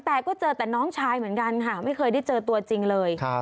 แต่ก็เจอแต่น้องชายเหมือนกันค่ะไม่เคยได้เจอตัวจริงเลย